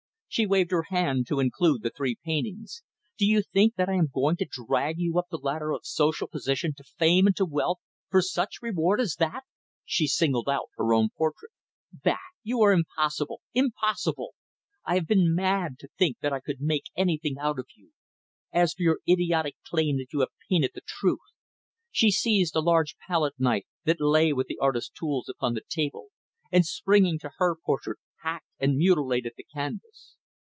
she waved her hand to include the three paintings. "Do you think that I am going to drag you up the ladder of social position to fame and to wealth for such reward as that?" she singled out her own portrait. "Bah! you are impossible impossible! I have been mad to think that I could make anything out of you. As for your idiotic claim that you have painted the truth " She seized a large palette knife that lay with the artist's tools upon the table, and springing to her portrait, hacked and mutilated the canvas.